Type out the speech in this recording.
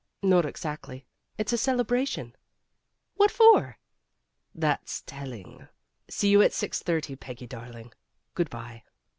"Not exactly. It's a celebration." "What for?" 1 * That 's telling. See you at six thirty, Peggy darling. Good by."